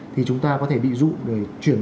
thì chúng ta có thể bị dụng để chuyển tiền